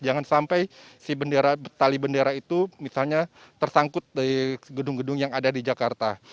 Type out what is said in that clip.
jangan sampai si bendera bendera itu misalnya tersangkut dari gedung gedung yang ada di jakarta